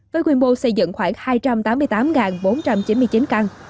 với quy mô xây dựng khoảng hai trăm tám mươi tám bốn trăm chín mươi chín căn